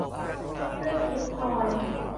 เครื่องเพชรพลอย